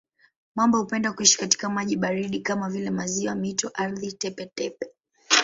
Mamba hupenda kuishi katika maji baridi kama vile maziwa, mito, ardhi tepe-tepe.